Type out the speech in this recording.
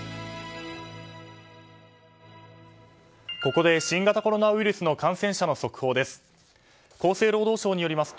ここで新型コロナウイルスの感染者の速報です。